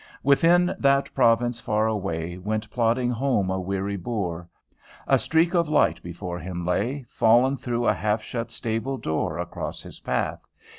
"Within that province far away Went plodding home a weary boor; A streak of light before him lay, Fallen through a half shut stable door Across his path.